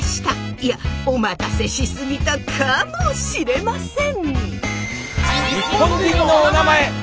いやお待たせしすぎたかもしれません。